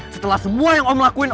setelah semua yang om lakuin